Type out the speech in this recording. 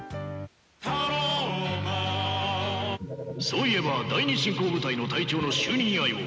そういえば第二侵攻部隊の隊長の就任祝いを。